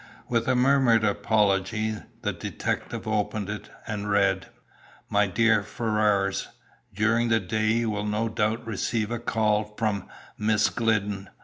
With a murmured apology, the detective opened it, and read "MY DEAR FERRARS, During the day you will no doubt receive a call from Miss Glidden.